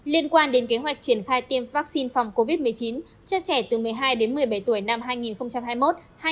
liên quan đến kế hoạch triển khai tiêm vaccine phòng covid một mươi chín cho trẻ từ một mươi hai đến một mươi bảy tuổi năm hai nghìn hai mươi một hai nghìn hai mươi